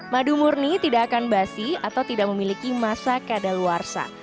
madu murni tidak akan basi atau tidak memiliki masa kadaluarsa